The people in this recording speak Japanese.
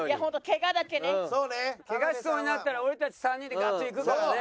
ケガしそうになったら俺たち３人でガッと行くからね。